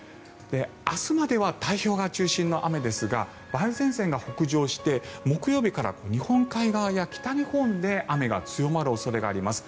明日までは太平洋側中心の雨ですが梅雨前線が北上して木曜日から日本海側や北日本で雨が強まる恐れがあります。